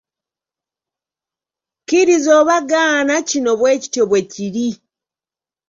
Kkiriza oba gaana kino bwe kityo bwe kiri.